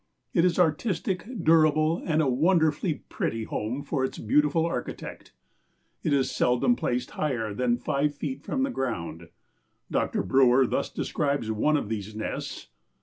It is artistic, durable and a wonderfully pretty home for its beautiful architect. It is seldom placed higher than five feet from the ground. Dr. Brewer thus describes one of these nests.